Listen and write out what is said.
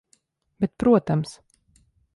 Bet protams.